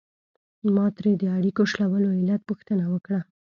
ما ترې د اړیکو شلولو علت پوښتنه وکړه.